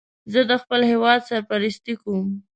زه د خپل هېواد سرپرستی کوم